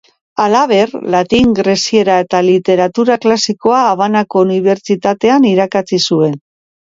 Halaber, latin, greziera eta literatura klasikoa Habanako Unibertsitatean irakatsi zuen.